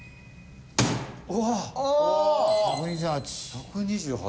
１２８。